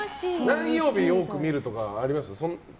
何曜日多く見るとかあります？